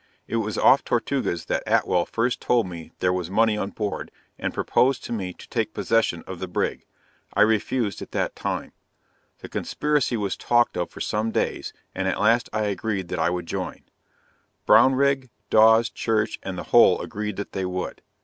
It was off Tortugas that Atwell first told me there was money on board, and proposed to me to take possession of the brig. I refused at that time. The conspiracy was talked of for some days, and at last I agreed that I would join. Brownrigg, Dawes, Church, and the whole agreed that they would.